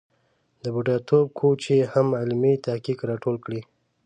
د بوډاتوب کوچ یې هم علمي تحقیق را ټول کړی.